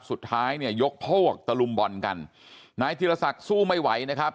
สุดท้ายเนี่ยยกพวกตะลุมบ่อนกันนายธีรศักดิ์สู้ไม่ไหวนะครับ